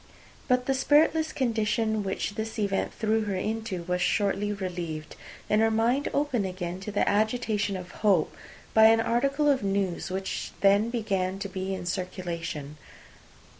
But the spiritless condition which this event threw her into was shortly relieved, and her mind opened again to the agitation of hope, by an article of news which then began to be in circulation.